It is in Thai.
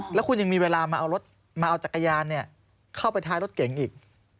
แล้วคุณยังมีเวลามาเอารถมาเอาจักรยานเข้าไปท้ายรถเก่งอีก